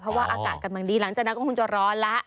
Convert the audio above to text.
เพราะว่าอากาศกำลังดีหลังจากนั้นก็คงจะร้อนแล้ว